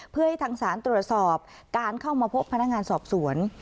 เพื่อให้ทางศาลตรวจสอบการเข้ามาพบพนักงานสอบสวน